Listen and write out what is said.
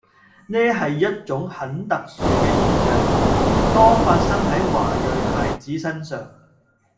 呢係一種很特殊嘅現象，多發生喺華裔孩子身上